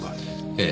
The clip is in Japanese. ええ。